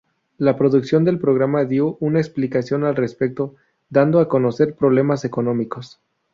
La producción del programa dio una explicación al respecto, dando a conocer problemas económicos.